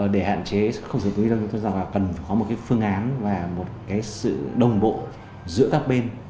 để hạn chế không sử dụng túi ni lông chúng tôi cho rằng là cần phải có một cái phương án và một cái sự đồng bộ giữa các bên